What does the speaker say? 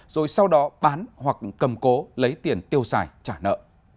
rồi sau đó bán hoặc cầm cố lấy tiền tiêu xài trả nợ